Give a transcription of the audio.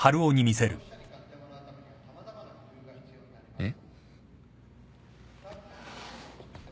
えっ？